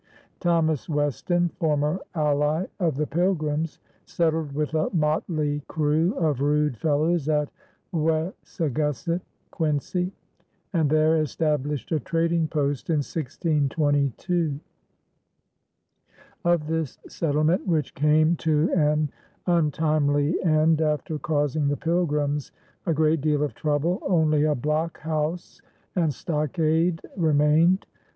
Thomas Weston, former ally of the Pilgrims, settled with a motley crew of rude fellows at Wessagusset (Quincy) and there established a trading post in 1622. Of this settlement, which came to an untimely end after causing the Pilgrims a great deal of trouble, only a blockhouse and stockade remained.